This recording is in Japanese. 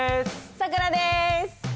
さくらです。